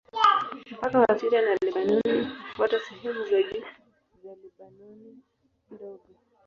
Mpaka wa Syria na Lebanoni hufuata sehemu za juu za Lebanoni Ndogo.